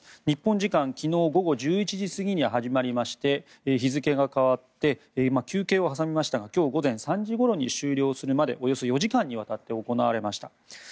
日本時間昨日午後１１時過ぎに始まりまして日付が変わって休憩を挟みましたが今日午前３時ごろに終了するまでおよそ４時間にわたって行われました。